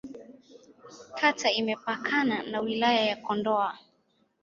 Kata imepakana na Wilaya ya Kondoa.